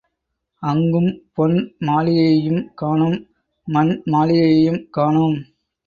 அங்கும் பொன் மாளிகையையும் காணோம், மண் மாளிகையையும் காணோம்.